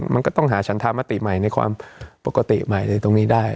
มันก็ต้องหาฉันธรรมติใหม่ในความปกติใหม่ในตรงนี้ได้